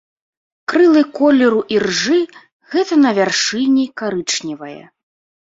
Крылы колеру іржы, гэта на вяршыні карычневае.